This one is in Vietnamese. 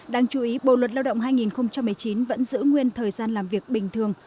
đáng chú ý bộ luật lao động hai nghìn một mươi chín vẫn giữ nguyên thời gian làm việc bình thường